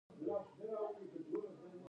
په ورځ کی سل آیتونه تلاوت وکړئ.